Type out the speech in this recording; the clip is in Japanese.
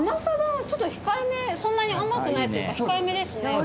そんなに甘くないというか控えめですね。